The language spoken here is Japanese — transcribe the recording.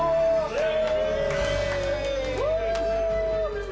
イエーイ！